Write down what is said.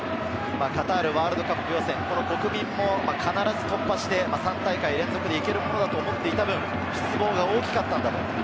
カタールワールドカップ予選、ルクミも必ず突破して３大会連続でいけるものだと思っていた分、失望が大きかったんだ。